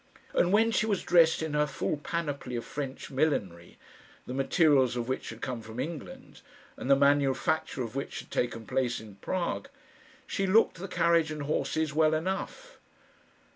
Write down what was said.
And when she was dressed in her full panoply of French millinery the materials of which had come from England, and the manufacture of which had taken place in Prague she looked the carriage and horses well enough.